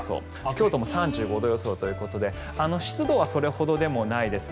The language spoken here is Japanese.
京都も３５度予想ということで湿度はそれほどでもないです。